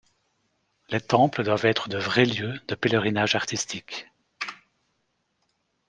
Les temples doivent être de vrais lieux de pèlerinage artistique.